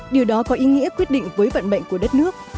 điều đó có ý nghĩa quyết định với vận mệnh của đất nước